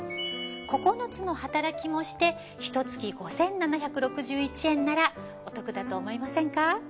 ９つの働きもしてひと月５，７６１円ならお得だと思いませんか？